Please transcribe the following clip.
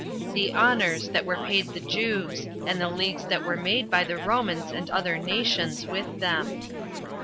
The Honors That Were Paid The Jews; And The Leagues That Were Made By The Romans And Other Nations, With Them.